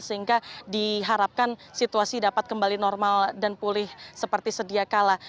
sehingga diharapkan situasi dapat kembali normal dan pulih seperti sedia kala